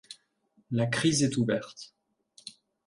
La crise est ouverte.